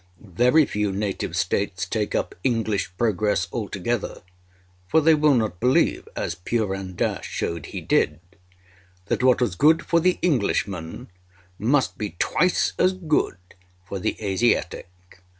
Very few native States take up English progress altogether, for they will not believe, as Purun Dass showed he did, that what was good for the Englishman must be twice as good for the Asiatic.